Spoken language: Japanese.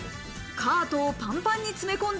カートをパンパンに詰め込んだ